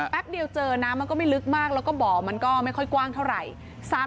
แป๊บเดียวเจอน้ำมันก็ไม่ลึกมากแล้วก็บ่อมันก็ไม่ค่อยกว้างเท่าไหร่